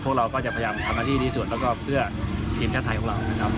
เราก็จะพยายามทำหน้าที่ที่สุดแล้วก็เพื่อทีมชาติไทยของเรานะครับ